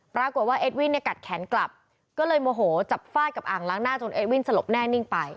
ปรากฏว่าเอดวินเนี่ยกัดแขนกลับก็เลยโมโหจับฟาดกับอ่างล้างหน้าจนเอสวินสลบแน่นิ่งไป